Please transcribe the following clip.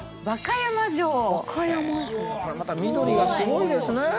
また緑がすごいですね。